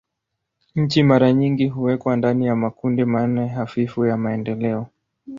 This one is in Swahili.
Nchi mara nyingi huwekwa ndani ya makundi manne hafifu ya maendeleo.